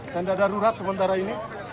tanda darurat sementara ini